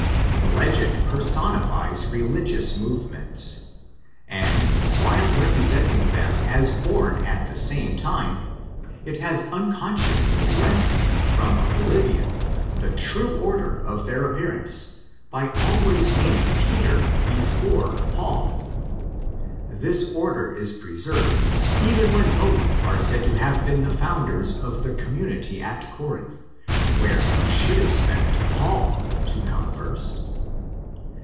The legend personifies religious movements ; and, while representing them as born at the same time, it has unconsciously rescued from oblivion the true order of their appearance by always. naming Peter before Paul. This order is preserved even when both are said to have been the founders of the community at Corinth, where we should expect Paul to come first.